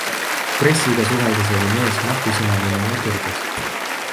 Pressiga suheldes oli mees napisõnaline ja tõrges.